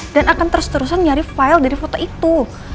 dan akan terus terusan nyari file dari foto itu